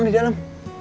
gagor di dalam